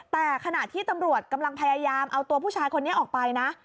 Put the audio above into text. แต่ขณะที่ตำรวจกำลังพยายามเอาตัวผู้ชายคนนี้ออกไปนะ